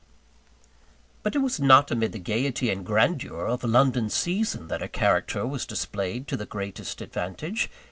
But it was not amid the gaiety and grandeur of a London season that her character was displayed to the greatest advantage.